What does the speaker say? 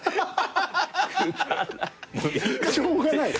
しょうがない。